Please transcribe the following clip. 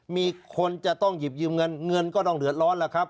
มีคนจะต้องหยิบยืมเงินเงินก็ต้องเดือดร้อนแล้วครับ